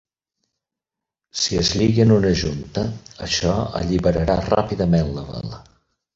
Si es lliga en una junta, això alliberarà ràpidament la vela.